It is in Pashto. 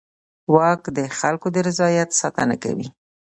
واک د خلکو د رضایت ساتنه کوي.